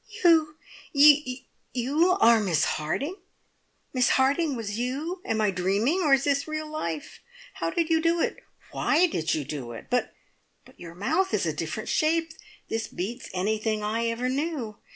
"You ; you are Miss Harding! Miss Harding was you! Am I dreaming, or is this real life? How did you do it? Why did you do it? But your mouth is a different shape! This beats anything I ever knew!